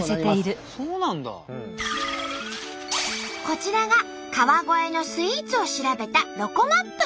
こちらが川越のスイーツを調べたロコＭＡＰ。